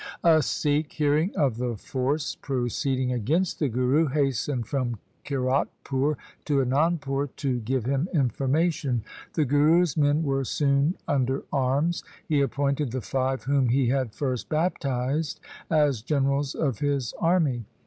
A Sikh, hearing of the force proceeding against the Guru, hastened from Kiratpur to Anandpur to give him information. The Guru's men were soon under arms. He appointed the five whom he had first baptized, as generals of his army.